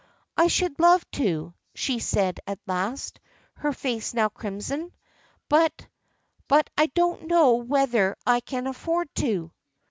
" I should love to," she said at last, her face now crimson, " but — but I don't know whether I can afford to."